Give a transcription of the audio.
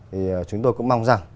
thì chúng tôi cũng mong rằng